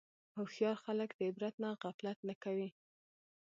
هوښیار خلک د عبرت نه غفلت نه کوي.